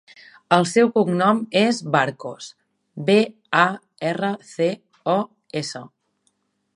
El seu cognom és Barcos: be, a, erra, ce, o, essa.